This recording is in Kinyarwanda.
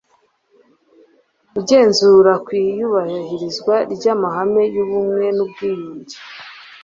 ugenzura ku iyubahirizwa ry amahame y ubumwe n ubwiyunge